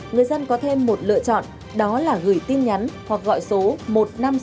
người dân có thêm một lựa chọn đó là gửi tin nhắn hoặc gọi số một trăm năm mươi sáu